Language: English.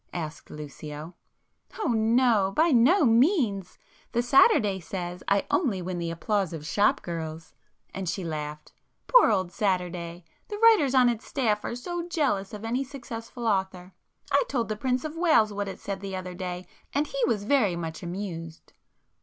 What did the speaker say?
asked Lucio. "Oh no! By no means! The 'Saturday' says I only win the applause of shop girls!" and she laughed—"Poor old 'Saturday'!—the writers on its staff are so jealous of any successful author. I told the Prince of Wales what it said the other day, and he was very much amused."